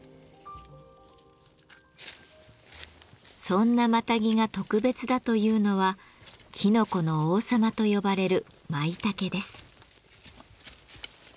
そんなマタギが特別だというのは「きのこの王様」と呼ばれるマイタケです。